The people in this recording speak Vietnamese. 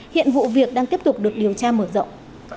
hiện vụ việc đang tiếp tục được điều tra mở rộng